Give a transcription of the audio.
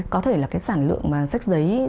có thể là cái sản lượng mà sách giấy